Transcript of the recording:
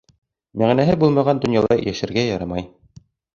Мәғәнәһе булмаған донъяла йәшәргә ярамай.